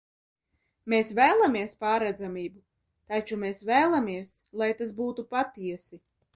Mēs vēlamies pārredzamību, taču mēs vēlamies, lai tas būtu patiesi.